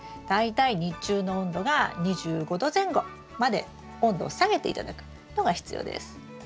大体日中の温度が２５℃前後まで温度を下げて頂くのが必要です。